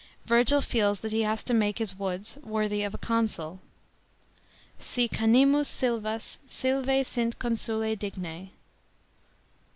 Virgil feels that he has to make his woods " worthy of a consul." Si canimus silvas, silvas sint consule dignte.